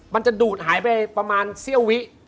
มันจะดูดหายไปประมาณเสี้ยววิ